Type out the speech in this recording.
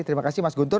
terima kasih mas guntur